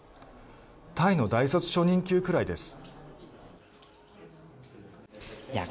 タイの大卒初任給くらいです。